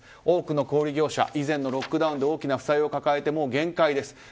多くの小売業者は以前のロックダウンで大きな負債を抱えてもう限界です。